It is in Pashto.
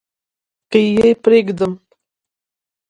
که يې پرېږدم .